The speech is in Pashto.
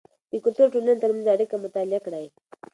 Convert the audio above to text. د کلتور او ټولنې ترمنځ اړیکه مطالعه کړئ.